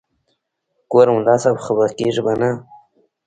ګوره ملا صاحب خپه کېږې به نه.